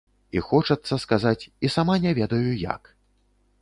І хочацца сказаць, і сама не ведаю як.